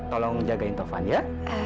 tolong jagain taufan ya